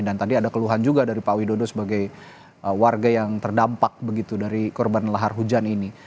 dan tadi ada keluhan juga dari pak widodo sebagai warga yang terdampak begitu dari korban lahar hujan ini